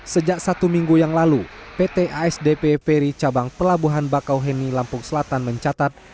sejak satu minggu yang lalu pt asdp ferry cabang pelabuhan bakauheni lampung selatan mencatat